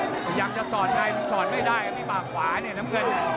พยายามจะสอนในสอนไม่ได้มีปากขวาเนี่ยน้ำเงิน